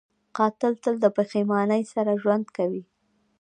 قاتل تل د پښېمانۍ سره ژوند کوي